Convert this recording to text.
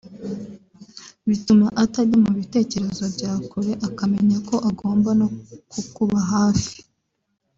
bituma atajya mu bitekerezo bya kure akamenya ko agomba no kukuba hafi